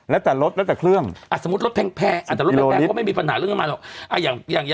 แล้วแต่รถแล้วแต่รถได้ไหมแล้วแต่อืมเจ็ดกิโลได้ไหม